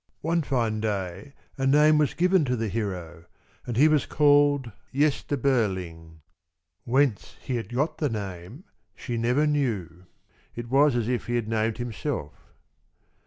One fine day a name was given to the hero and he was called Gösta Berling. Whence he got the name she never knew. It was as if he had named himself.